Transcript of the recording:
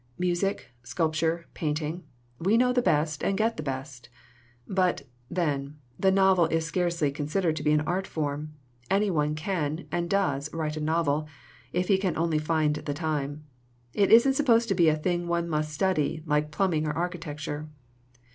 Music, sculpture, painting we know the best and get the best. "But, then, the novel is scarcely considered to be an art form. Any one can and does write a novel, if he can only find the time. It isn't sup posed to be a thing one must study, like plumbing or architecture.